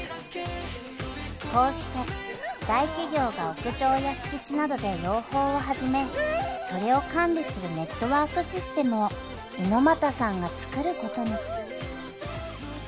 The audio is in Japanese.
［こうして大企業が屋上や敷地などで養蜂を始めそれを管理するネットワークシステムを猪俣さんがつくることに］